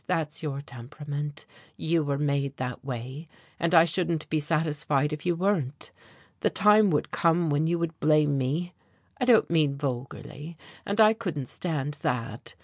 That's your temperament, you were made that way, and I shouldn't be satisfied if you weren't. The time would come when you would blame me I don't mean vulgarly and I couldn't stand that.